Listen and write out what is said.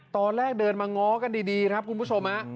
ตอนแรกเดินมาง้อกันดีครับคุณผู้ชม